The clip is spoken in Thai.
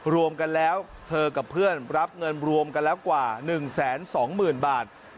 รวมกันแล้วเธอกับเพื่อนรับเงินรวมกันแล้วกว่า๑๒๐๐๐บาท